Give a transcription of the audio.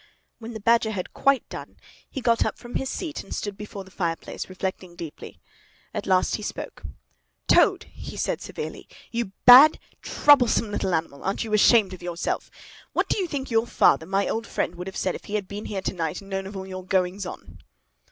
When the Badger had quite done, he got up from his seat and stood before the fireplace, reflecting deeply. At last he spoke. "Toad!" he said severely. "You bad, troublesome little animal! Aren't you ashamed of yourself? What do you think your father, my old friend, would have said if he had been here to night, and had known of all your goings on?"